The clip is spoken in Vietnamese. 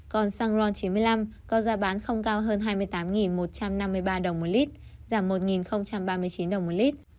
còn xăng ron chín mươi năm có giá bán không cao hơn hai mươi tám một trăm năm mươi ba đồng một lít giảm một ba mươi chín đồng một lít